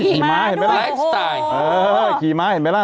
นี่อีกม้าด้วยโอ้โฮสไตล์สไตล์กีม้าเห็นไหมล่ะ